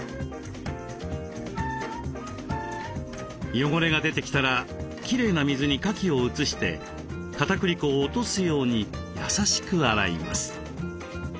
汚れが出てきたらきれいな水にかきを移してかたくり粉を落とすようにやさしく洗います。